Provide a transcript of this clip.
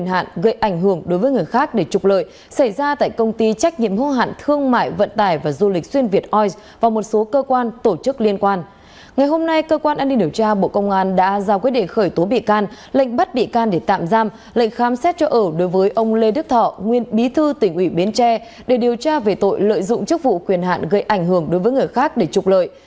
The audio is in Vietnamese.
ngày hôm nay cơ quan an ninh điều tra bộ công an đã giao quyết định khởi tố bị can lệnh bắt bị can để tạm giam lệnh khám xét cho ở đối với ông lê đức thọ nguyên bí thư tỉnh ủy biến tre để điều tra về tội lợi dụng chức vụ quyền hạn gây ảnh hưởng đối với người khác để trục lợi